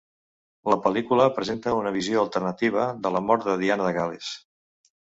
La pel·lícula presenta una visió alternativa de la mort de Diana de Gal·les.